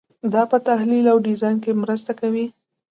دا په تحلیل او ډیزاین کې مرسته کوي.